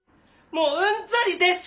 もううんざりです！